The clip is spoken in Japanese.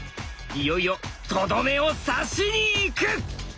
いよいよとどめを刺しにいく！